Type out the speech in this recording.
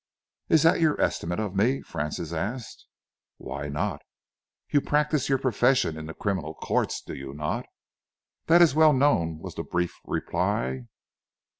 "Is that your estimate of me?" Francis asked. "Why not? You practise your profession in the criminal courts, do you not?" "That is well known," was the brief reply.